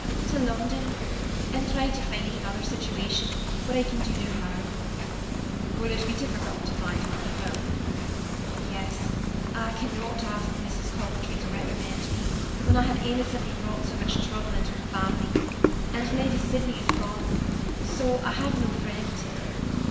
"To London, and try to find another situation where I can do no harm." "Will it be difficult to find another home?" "Yes. I cannot ask Mrs. Coventry to recommend me, when I have innocently brought so much trouble into her family; and Lady Sydney is gone, so I have no friend."